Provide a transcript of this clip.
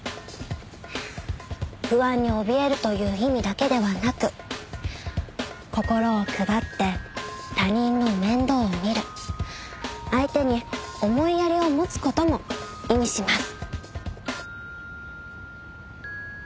不安におびえるという意味だけではなく心を配って他人の面倒を見る相手に思いやりを持つ事も意味します。